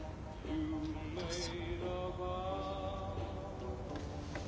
どうぞ。